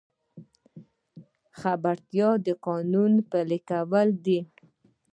خبرتیا د قانون پلي کول دي